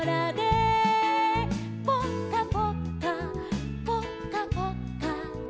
「ぽかぽっかぽかぽっか」